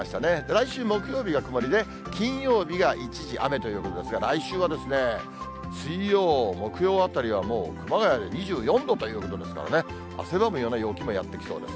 来週木曜日は曇りで、金曜日が一時雨ということですが、来週は水曜、木曜あたりはもう熊谷で２４度ということですからね、汗ばむような陽気もやって来そうです。